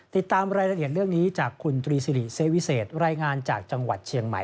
ติดตามรายละเอียดเรื่องนี้จากคุณตรีสิริเซวิเศษรายงานจากจังหวัดเชียงใหม่